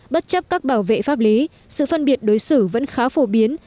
bất chấp các bảo vệ pháp lý sự phân biệt đối xử vẫn khá phổ biến